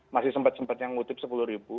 masih sempat sempatnya ngutip sepuluh ribu